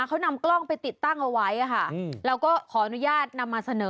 เขานำกล้องไปติดตั้งเอาไว้ค่ะแล้วก็ขออนุญาตนำมาเสนอ